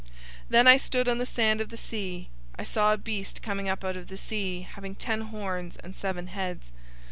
013:001 Then I stood on the sand of the sea. I saw a beast coming up out of the sea, having ten horns and seven heads.